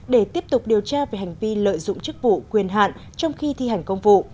để tiếp tục điều tra về hành vi lợi dụng chức vụ quyền hạn trong khi thi hành công vụ